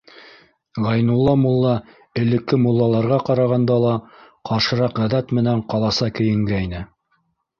Ғәйнулла мулла элекке муллаларға ҡарағанда ла ҡаршыраҡ ғәҙәт менән ҡаласа кейенгәйне.